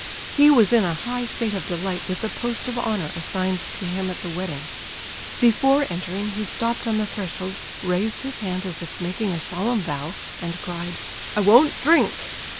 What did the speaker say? He was in a high state of delight with the post of honour assigned to him at the wedding. Before entering he stopped on the threshold, raised his hand as if making a solemn vow, and cried: "I won't drink!"